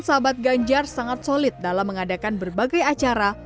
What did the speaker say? sahabat ganjar sangat solid dalam mengadakan berbagai acara